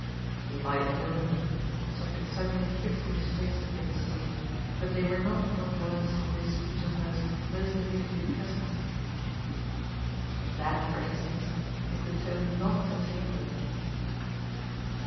He might have known them, something suddenly fixed in his face appeared to say, but they were not what was, on this speech of hers, most immediately present to him. "That for instance is the tone not to take with him."